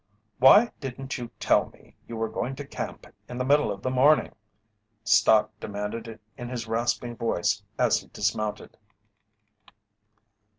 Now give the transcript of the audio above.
"Why didn't you tell me you were going to camp in the middle of the morning?" Stott demanded in his rasping voice as he dismounted.